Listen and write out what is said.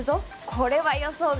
これは予想外。